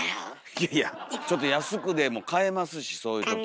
いやいやちょっと安くでも買えますしそういうときは。